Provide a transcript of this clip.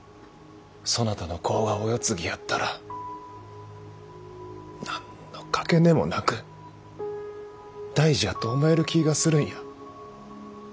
そなたの子がお世継ぎやったら何の掛値もなく大事やと思える気がするんや。